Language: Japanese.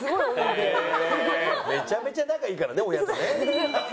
めちゃめちゃ仲いいからね親とね。